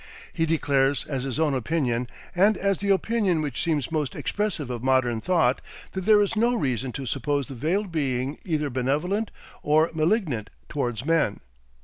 He declares as his own opinion, and as the opinion which seems most expressive of modern thought, that there is no reason to suppose the Veiled Being either benevolent or malignant towards men.